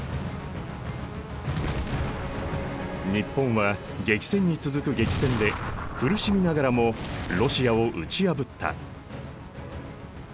日本は激戦に続く激戦で苦しみながらもロシアを打ち破った。